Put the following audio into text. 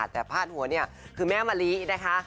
แต่พาดหัวเนี่ยคือแม่มะลินะคะ